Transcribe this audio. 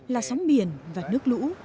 là sóng biển và nước lũ